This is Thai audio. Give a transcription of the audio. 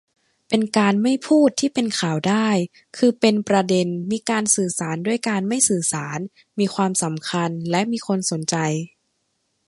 เป็นการ'ไม่พูด'ที่เป็นข่าวได้ คือเป็นประเด็น มีการสื่อสารด้วยการไม่สื่อสาร มีความสำคัญ และมีคนสนใจ